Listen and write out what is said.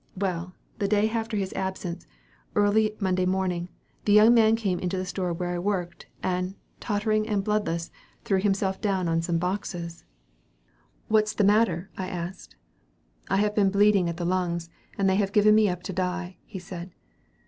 Well, the day after his absence, early Monday morning, the young man came into the store where I worked, and, tottering and bloodless, threw himself down on some boxes. "'What's the matter?' I asked. "'I have been bleeding at the lungs, and they have given me up to die,' he said.